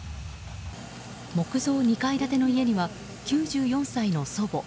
木造２階建ての家には９４歳の祖母。